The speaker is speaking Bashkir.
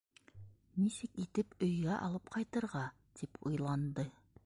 Нисек итеп өйгә алып ҡайтырға, тип уйланды.